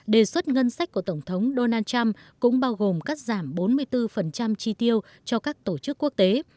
đề xuất ngân sách của tổng thống donald trump cũng bao gồm cắt giảm bốn mươi bốn chi tiêu cho các tổ chức quốc tế